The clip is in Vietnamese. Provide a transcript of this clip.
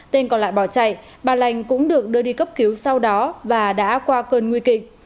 tên còn lại bỏ chạy bà lành cũng được đưa đi cấp cứu sau đó và đã qua cơn nguy kịch